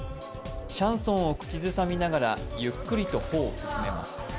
シャンソンを口ずさみながらゆっくりと歩を進めます。